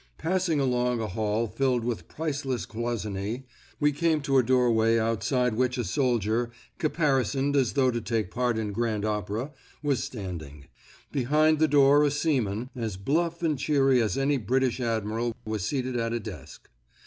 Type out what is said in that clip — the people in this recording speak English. Passing along a hall filled with priceless cloisonni, we came to a doorway outside which a soldier, caparisoned as though to take part in Grand Opera, was standing. Behind the door a seaman, as bluff and cheery as any British Admiral was seated at a desk.